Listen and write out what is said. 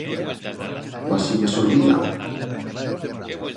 Cuasi me s'olbida.